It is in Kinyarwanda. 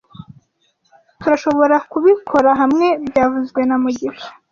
Tturashoborakubikora hamwe byavuzwe na mugisha